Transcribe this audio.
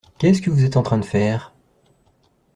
Qu’est-ce que vous êtes en train de faire ?